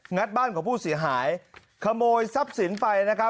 ัดบ้านของผู้เสียหายขโมยทรัพย์สินไปนะครับ